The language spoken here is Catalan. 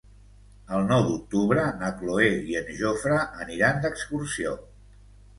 El nou d'octubre na Cloè i en Jofre aniran d'excursió.